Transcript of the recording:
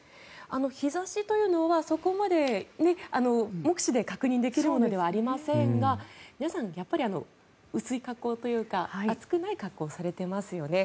日差しというのはそこまで目視で確認できませんが皆さん、やっぱり薄い格好というか暑くない格好をされていますよね。